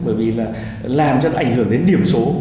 bởi vì là làm cho nó ảnh hưởng đến điểm số